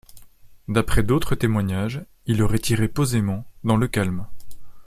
D'après d'autres témoignages, il aurait tiré posément, dans le calme.